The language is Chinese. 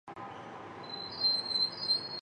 只要焦点足够她就能躲避敌人的子弹。